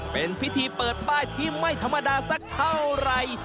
เป็นพิธีเปิดป้ายที่ไม่ธรรมดาสักเท่าไหร่